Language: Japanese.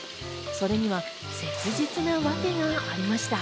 それには切実なワケがありました。